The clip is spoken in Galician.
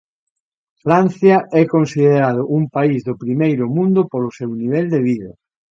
Francia é considerado un país do primeiro mundo polo seu nivel de vida.